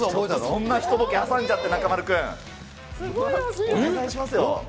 そんな一ボケ挟んじゃって、お願いしますよ。